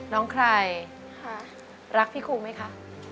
น้องใครรักพี่ครูไหมคะ